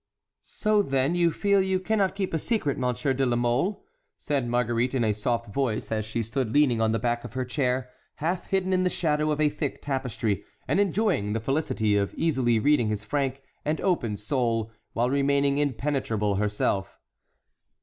"So then you feel you cannot keep a secret, Monsieur de la Mole?" said Marguerite in a soft voice as she stood leaning on the back of her chair, half hidden in the shadow of a thick tapestry and enjoying the felicity of easily reading his frank and open soul while remaining impenetrable herself.